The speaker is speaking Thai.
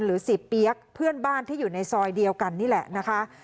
เสียเปี๊ยกเพื่อนบ้านที่อยู่ในซอยเดียวกันนี่แหละนะคะ